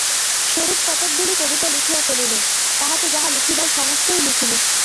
স্বরূপ কতকগুলি কবিতা লিখিয়া ফেলিল, তাহাতে যাহা লিখিবার সমস্তই লিখিল।